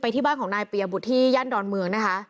ที่บ้านของนายปียบุตรที่ย่านดอนเมืองนะคะ